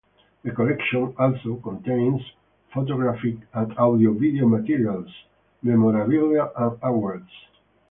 The collection also contains photographic and audio-video materials, memorabilia and awards.